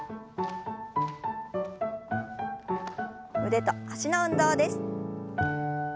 腕と脚の運動です。